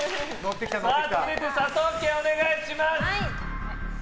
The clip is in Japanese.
続いて、佐藤家お願いします。